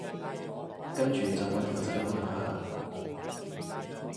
跟住就搵條仔玩下